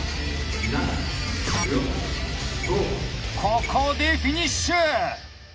ここでフィニッシュ！